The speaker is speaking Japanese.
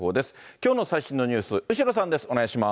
きょうの最新のニュース、後呂さんです。